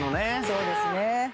そうですね。